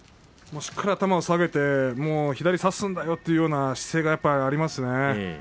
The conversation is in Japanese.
しっかり頭を下げて差すんだよというような姿勢がありますよね。